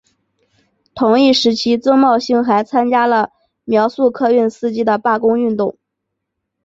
同一时期曾茂兴还参加了苗栗客运司机的罢工运动。